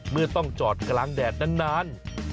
เมื่อต้องจอดกลางแดดนาน